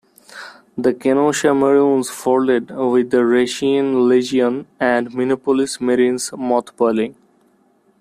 The Kenosha Maroons folded, with the Racine Legion and Minneapolis Marines mothballing.